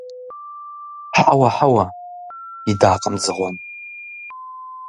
– Хьэуэ, хьэуэ! – идакъым дзыгъуэм.